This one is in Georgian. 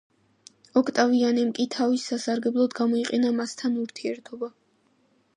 ოქტავიანემ კი თავის სასარგებლოდ გამოიყენა მასთან ურთიერთობა.